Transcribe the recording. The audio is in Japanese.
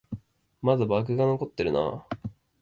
まだバグが残ってるな